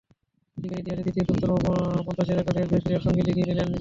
Cricket ইতিহাসে দ্বিতীয় দ্রুততম পঞ্চাশের রেকর্ডে জয়াসুরিয়ার সঙ্গে লিখিয়ে নিলেন নিজের নামটিও।